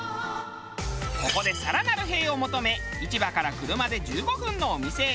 ここで更なる「へぇ」を求め市場から車で１５分のお店へ移動。